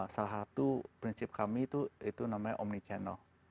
salah satu prinsip kami itu namanya omni channel